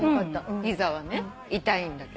膝はね痛いんだけど。